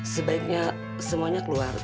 sebaiknya semuanya keluar